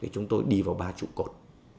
chúng tôi đi vào ba trụ cột